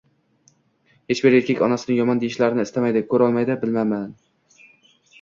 Hech bir erkak onasini yomon deyishlarini istamaydi, ko`tarolmaydi, bilaman